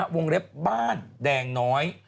วงเล็บบ้านแดงน้อย